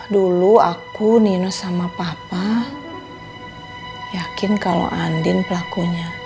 dulu aku ninus sama papa yakin kalau andin pelakunya